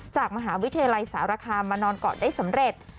จากมหาวิทยาลัยสารคามมานอนเกาะได้สำเร็จ